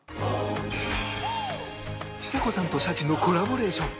ちさ子さんとシャチのコラボレーション